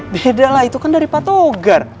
beda lah itu kan dari patogar